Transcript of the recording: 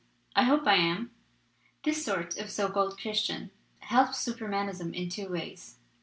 I hope I am!' "This sort of so called Christian helps Super manism in two ways.